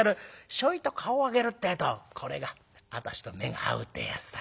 ちょいと顔を上げるってえとこれが私と目が合うってやつだ」。